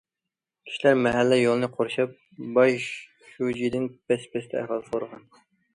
كىشىلەر مەھەللە يولىنى قورشاپ، باش شۇجىدىن بەس- بەستە ئەھۋال سورىغان.